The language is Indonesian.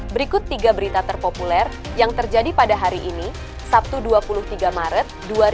berikut tiga berita terpopuler yang terjadi pada hari ini sabtu dua puluh tiga maret dua ribu dua puluh